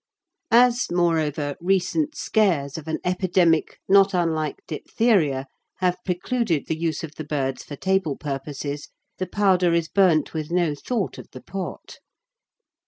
As, moreover, recent scares of an epidemic not unlike diphtheria have precluded the use of the birds for table purposes, the powder is burnt with no thought of the pot.